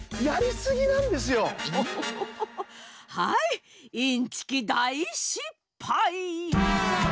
はいインチキだいしっぱい！